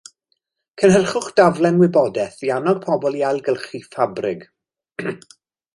Cynhyrchwch daflen wybodaeth i annog pobl i ailgylchu ffabrig